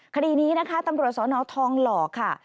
คดีนี้นะคะตำรวจสนทองหล่อค่ะ